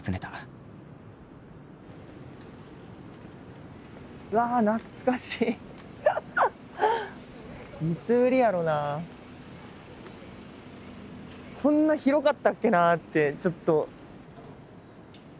こんな広かったっけなあってちょっと。